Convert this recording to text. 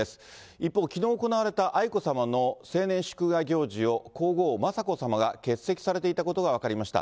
一方、きのう行われた愛子さまの成年祝賀行事を、皇后雅子さまが欠席されていたことが分かりました。